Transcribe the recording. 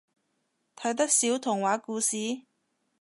睇得少童話故事？